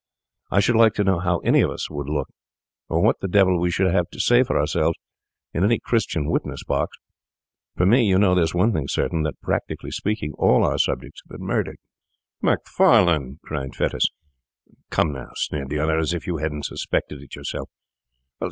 I should like to know how any one of us would look, or what the devil we should have to say for ourselves, in any Christian witness box. For me, you know there's one thing certain—that, practically speaking, all our subjects have been murdered.' 'Macfarlane!' cried Fettes. 'Come now!' sneered the other. 'As if you hadn't suspected it yourself!